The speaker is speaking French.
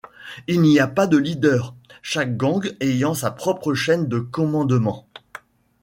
Il n'y a pas de leader, chaque gang ayant sa propre chaîne de commandement.